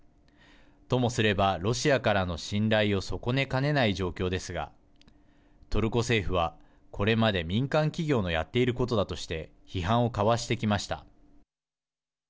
ともすれば、ロシアからの信頼を損ねかねない状況ですがトルコ政府はこれまで民間企業のやっていることだとして批判をかわしてきました。